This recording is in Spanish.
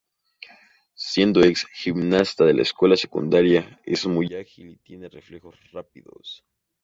Siendo ex gimnasta de la escuela secundaria, es muy ágil y tiene reflejos rápidos.